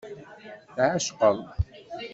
Tɛecqeḍ.